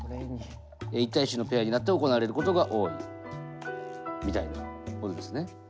１対１のペアになって行われることが多いみたいなことですね。